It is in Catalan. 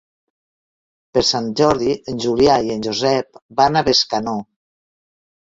Per Sant Jordi en Julià i en Josep van a Bescanó.